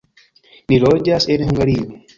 Ni loĝas en Hungario.